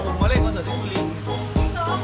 ทุกที่ว่าใช่ไหม